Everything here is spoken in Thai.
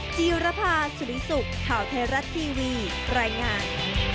จีรภาสุริสุขข่าวไทยรัฐทีวีรายงาน